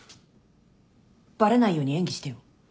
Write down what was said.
バレないように演技してよ